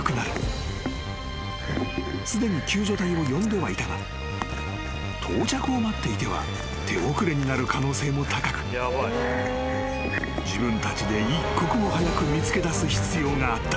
［すでに救助隊を呼んではいたが到着を待っていては手遅れになる可能性も高く自分たちで一刻も早く見つけだす必要があった］